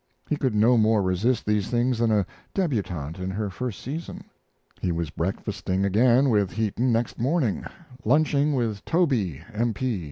He could no more resist these things than a debutante in her first season. He was breakfasting again with Heaton next morning; lunching with "Toby, M.P.